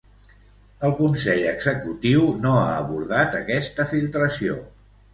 El Consell Executiu no ha abordat aquesta filtració.